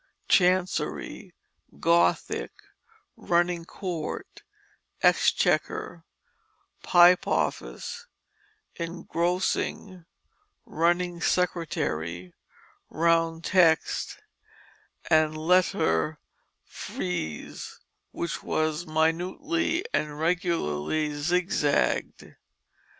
Chancery, Gothic, Running Court, Exchequer, Pipe Office, Engrossing, Running Secretary, Round Text, and the "Lettre Frisee," which was minutely and regularly zigzagged.